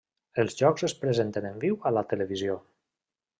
Els jocs es presenten en viu a la televisió.